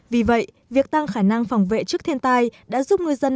vì vậy việc tăng khả năng phòng vệ trước thiên tai đã giúp ngư dân